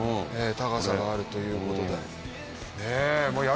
高さがあるということで。